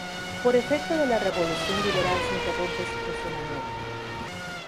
Por efecto de la Revolución Liberal se interrumpe su funcionamiento.